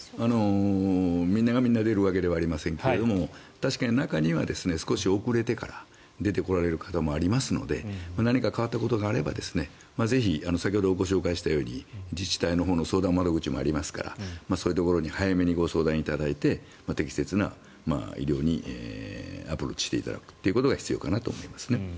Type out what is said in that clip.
みんながみんな出るわけではありませんが確かに中には少し遅れてから出てこられる方もいますので何か変わったことがあれば先ほどご紹介したように自治体のほうの相談窓口もありますからそういうところに早めにご相談いただいて適切な医療にアプローチしていただくということが必要かなと思いますね。